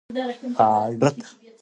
ازادي راډیو د عدالت وضعیت انځور کړی.